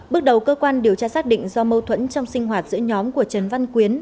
bước đầu cơ quan điều tra xác định do mâu thuẫn trong sinh hoạt giữa nhóm của trần văn quyến